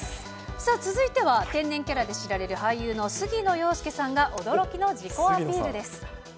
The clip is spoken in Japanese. さあ、続いては天然キャラで知られる俳優の杉野遥亮さんが驚きの自己